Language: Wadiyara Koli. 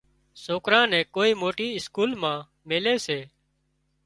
سوڪرا نين ڪوئي موٽي اسڪول مان ميلي